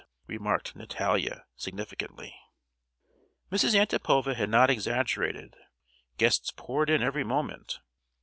remarked Natalia significantly. Mrs. Antipova had not exaggerated. Guests poured in every moment!